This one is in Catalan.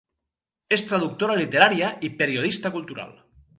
És traductora literària i periodista cultural.